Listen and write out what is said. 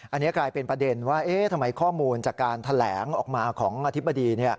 อันนี้กลายเป็นประเด็นว่าทำไมข้อมูลจากการแถลงออกมาของอธิบดี